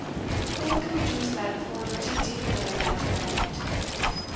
But what can we do for that puir doited deevil of a knight baronet?